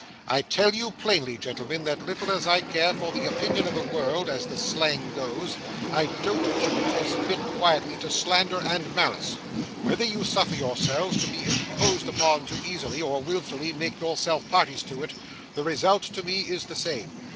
I tell you plainly, gentlemen, that little as I care for the opinion of the world (as the slang goes), I don't choose to submit quietly to slander and malice. Whether you suffer yourselves to be imposed upon too easily, or wilfully make yourselves parties to it, the result to me is the same.